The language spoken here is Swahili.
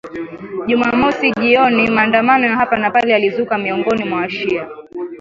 Jumamosi jioni maandamano ya hapa na pale yalizuka miongoni mwa washia